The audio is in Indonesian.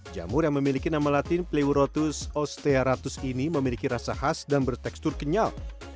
jamur yang memiliki nama latin pleurotus osteratus ini memiliki rasa khas dan bertekstur kenyal